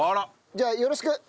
じゃあよろしく！